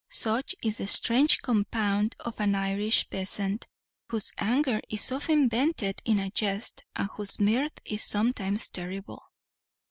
Such is the strange compound of an Irish peasant, whose anger is often vented in a jest, and whose mirth is sometimes terrible.